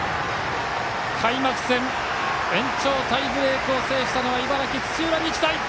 開幕戦、延長タイブレークを制したのは茨城・土浦日大！